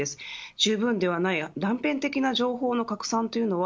じゅうぶんではない断片的な情報の拡散というのは